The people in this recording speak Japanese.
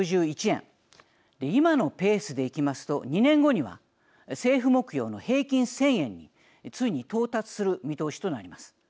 今のペースでいきますと２年後には政府目標の平均１０００円についに到達する見通しとなります。